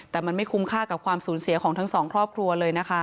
แต่มันไม่คุ้มค่ากับความสูญเสียของทั้งสองครอบครัวเลยนะคะ